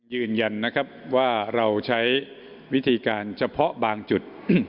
ยืนยันนะครับว่าเราใช้วิธีการเฉพาะบางจุด